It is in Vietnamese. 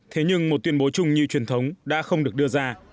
thế nhưng một tuyên bố chung như truyền thống đã không được đưa ra